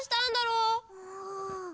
うん。